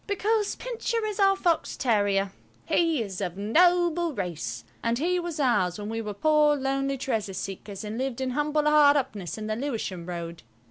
Because Pincher is our fox terrier. He is of noble race, and he was ours when we were poor, lonely treasure seekers and lived in humble hard upness in the Lewisham Road.